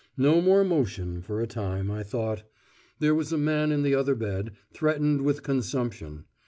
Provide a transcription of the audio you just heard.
No more motion for a time, I thought. There was a man in the other bed, threatened with consumption.